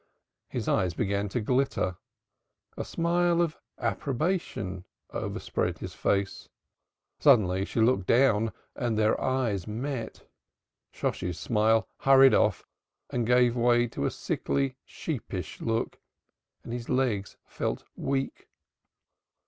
His eyes began to glitter, a smile of approbation overspread his face. Suddenly she looked down and their eyes met. Shosshi's smile hurried off and gave way to a sickly sheepish look and his legs felt weak.